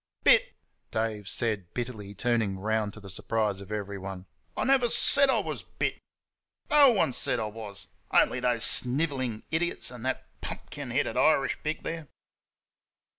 "Bit!" Dave said bitterly, turning round to the surprise of everyone. "I never said I was BIT. No one said I was only those snivelling idiots and that pumpkin headed Irish pig there."